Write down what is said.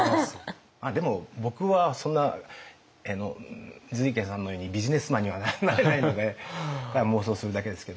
まあでも僕はそんな瑞賢さんのようにビジネスマンにはなれないのでだから妄想するだけですけど。